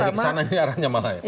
jadi kesana ini arahnya malah ya